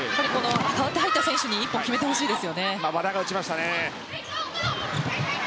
代わって入った選手に１本決めてほしいです。